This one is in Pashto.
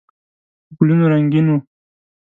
په ګلونو رنګین و.